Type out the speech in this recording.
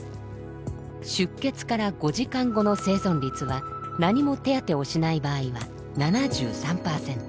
出血から５時間後の生存率は何も手当てをしない場合は７３％。